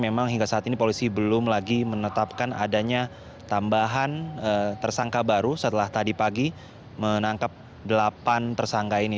memang hingga saat ini polisi belum lagi menetapkan adanya tambahan tersangka baru setelah tadi pagi menangkap delapan tersangka ini